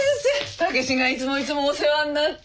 武志がいつもいつもお世話になって。